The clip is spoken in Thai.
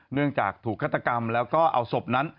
เนื่องจากถูกฆาตกรรมแล้วก็เอาศพนั้น